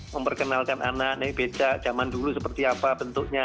memperkenalkan anak becak zaman dulu seperti apa bentuknya